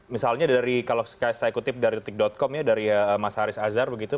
misalnya dari kalau saya kutip dari detik com ya dari mas haris azhar begitu